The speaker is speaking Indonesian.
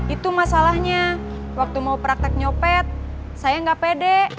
itu masalahnya waktu mau praktek nyopet saya nggak pede